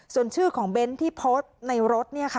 ส่วนชื่อของเบ้นที่โพสต์ในรถ